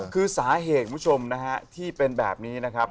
คือสาเหตุคุณผู้ชมนะฮะที่เป็นแบบนี้นะครับ